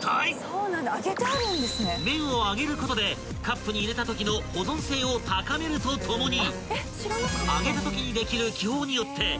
［麺を揚げることでカップに入れたときの保存性を高めるとともに揚げたときにできる気泡によって］